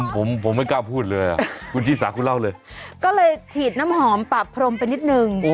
ผมผมไม่กล้าพูดเลยคุณชิสาคุณเล่าเลยก็เลยฉีดน้ำหอมปะพรมไปนิดนึง